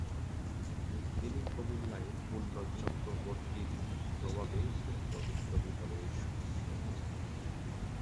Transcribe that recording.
তিনি কুমিল্লায় পূর্ণ চক্রবর্তীর প্রভাবে গুপ্ত বিপ্লবী দলের সদস্য হন।